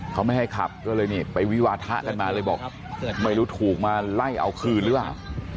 เขาไม่ให้ขับก็เลยนี่ไปวิวาทะกันมาเลยบอกไม่รู้ถูกมาไล่เอาคืนหรือเปล่า